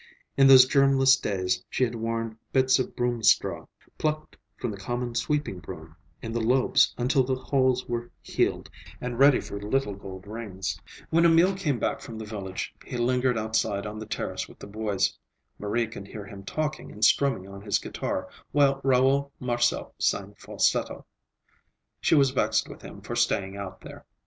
In those germless days she had worn bits of broom straw, plucked from the common sweeping broom, in the lobes until the holes were healed and ready for little gold rings. When Emil came back from the village, he lingered outside on the terrace with the boys. Marie could hear him talking and strumming on his guitar while Raoul Marcel sang falsetto. She was vexed with him for staying out there.